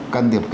căn thiệp y tế